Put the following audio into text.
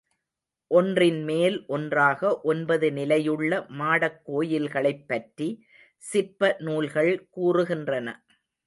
ஒன்றின் மேல் ஒன்றாக ஒன்பது நிலையுள்ள மாடக் கோயில்களைப் பற்றி சிற்ப நூல்கள் கூறுகின்றன.